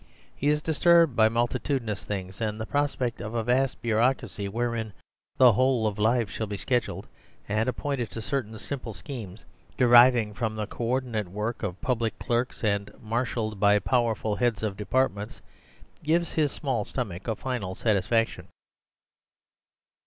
Heis disturbed by multitudinous things; and the prospect of a vast bureaucracy wherein the whole of life shall be scheduled and appointed tocertainsimpleschemes deriving from the co ordinate work of public clerks and marshalled by powerful heads of departments 127 THE SERVILE STATE gives his small stomach a final satisfaction.